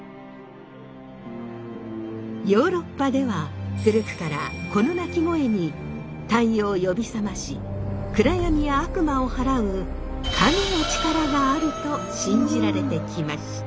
ヨーロッパでは古くからこの鳴き声に「太陽を呼び覚まし暗闇や悪魔を払う神の力がある」と信じられてきました。